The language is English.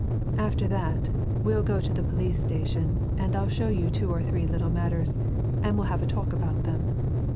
After that we'll go to the police station and I'll show you two or three little matters, and we'll have a talk about them.